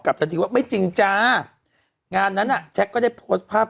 กลับจริงว่าไม่จริงจ๊ะงานนั้นอ่ะจ๊ะก็ได้โพสต์ภาพ